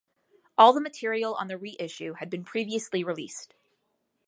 All the material on the reissue had been previously released.